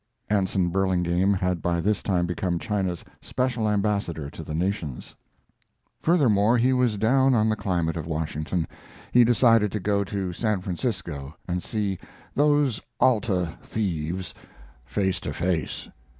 [Anson Burlingame had by this time become China's special ambassador to the nations.] Furthermore, he was down on the climate of Washington. He decided to go to San Francisco and see "those Alta thieves face to face."